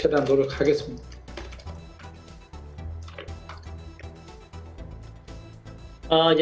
dan mereka akan lebih baik